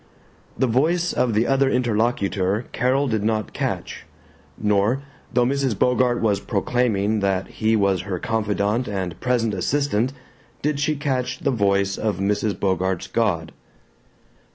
The voice of the other interlocutor Carol did not catch, nor, though Mrs. Bogart was proclaiming that he was her confidant and present assistant, did she catch the voice of Mrs. Bogart's God.